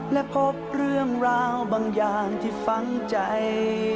และพบเรื่องราวบางอย่างที่ฟังใจ